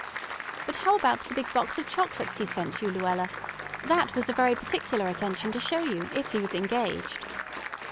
"But how about the big box of chocolates he sent you, Luella? That was a very particular attention to show you if he was engaged."